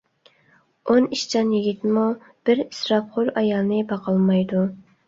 ئون ئىشچان يىگىتمۇ بىر ئىسراپخور ئايالنى باقالمايدۇ.